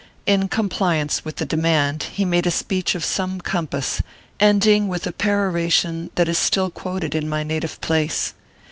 In compliance with the demand he made a speech of some compass, end ing with a peroration that is still quoted in my native place.